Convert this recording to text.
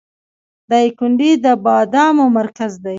دایکنډي د بادامو مرکز دی